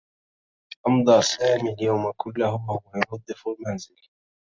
أمضى سامي اليوم كلّه و هو ينظّف المنزل.